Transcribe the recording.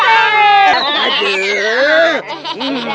aku pita sekalian